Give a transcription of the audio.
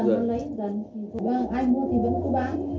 ai mua thì vẫn cứ bán